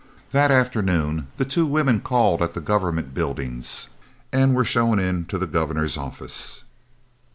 That afternoon the two women called at the Government Buildings and were shown into the Governor's office.